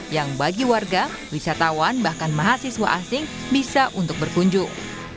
yang bagi warga wisatawan bahkan mahasiswa asing bisa untuk berkunjung